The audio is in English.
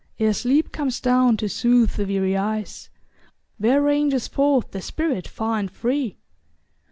Ere sleep comes down to soothe the weary eyes, Where ranges forth the spirit far and free?